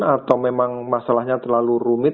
atau memang masalahnya terlalu rumit